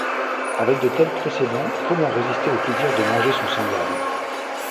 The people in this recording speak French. Avec de tels précédents, comment résister au plaisir de manger son semblable?